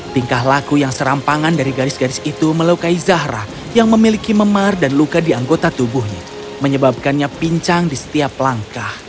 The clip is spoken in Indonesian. tingkah laku yang serampangan dari garis garis itu melukai zahra yang memiliki memar dan luka di anggota tubuhnya menyebabkannya pincang di setiap langkah